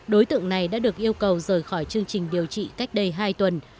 đối tượng này đã được yêu cầu rời khỏi chương trình điều trị cách đây hai tuần